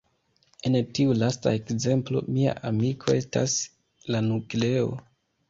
En tiu lasta ekzemplo "mia amiko" estas la nukleo.